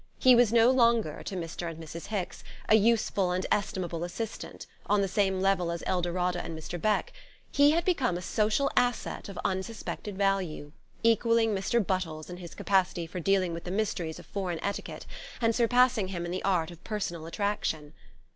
He was no longer, to Mr. and Mrs. Hicks, a useful and estimable assistant, on the same level as Eldorada and Mr. Beck; he had become a social asset of unsuspected value, equalling Mr. Buttles in his capacity for dealing with the mysteries of foreign etiquette, and surpassing him in the art of personal attraction.